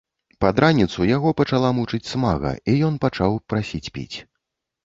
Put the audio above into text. Пад раніцу яго пачала мучыць смага, і ён пачаў прасіць піць.